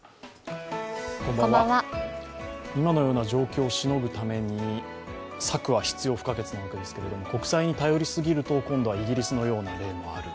今のような状況をしのぐために策は必要可決なわけですが国債に頼りすぎると今度はイギリスのような例もある。